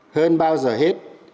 hơn bao giờ hết